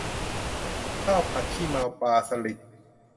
ข้าวผัดขี้เมาปลาสลิด